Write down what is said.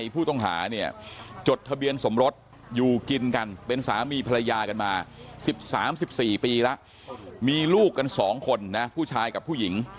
๓๔ปีล่ะมีลูกกัน๒คนนะฮะผู้ชายกับผู้หญิง